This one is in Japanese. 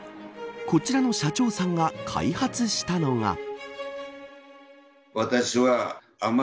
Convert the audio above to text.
こちらの社長さんが開発したのが。